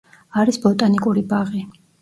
არის ბოტანიკური ბაღი.